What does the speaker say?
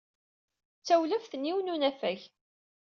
Ta d tawlaft n yiwen n unafag.